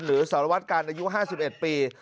หรือสารวัตการณ์อายุ๕๑ปี